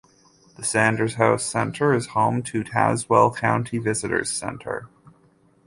The Sanders House Center is home to the Tazewell County Visitors Center.